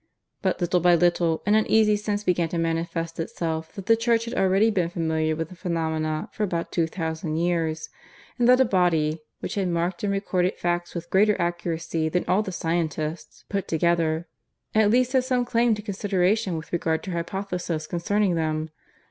But, little by little, an uneasy sense began to manifest itself that the Church had already been familiar with the phenomena for about two thousand years, and that a body, which had marked and recorded facts with greater accuracy than all the 'scientists' put together, at least had some claim to consideration with regard to her hypothesis concerning them.